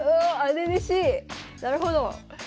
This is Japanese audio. なるほど！